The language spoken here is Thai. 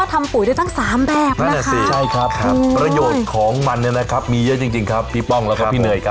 ทิ้งเลยต่อไปต่อไปนี้นะคะจะไม่ทิ้งเปลือกไข่อีกเลย